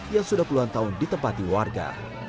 yang sudah puluhan tahun ditempati warga